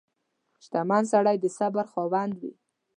• شتمن سړی د صبر خاوند وي.